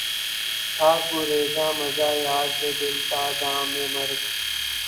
تھا گریزاں مژہٴ یار سے دل تا دمِ مرگ